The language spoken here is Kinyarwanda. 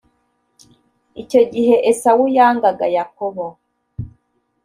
icyo gihe esawu yangaga yakobo